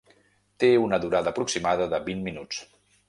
Té una durada aproximada de vint minuts.